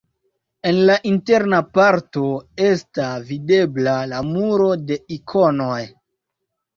En la interna parto esta videbla la muro de ikonoj.